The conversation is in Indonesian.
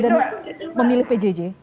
dan memilih pjj